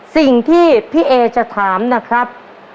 สิ่งที่พี่เอจะถามนะครับ